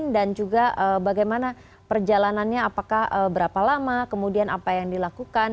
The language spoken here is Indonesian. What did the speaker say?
dan juga bagaimana perjalanannya apakah berapa lama kemudian apa yang dilakukan